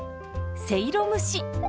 せいろ蒸し。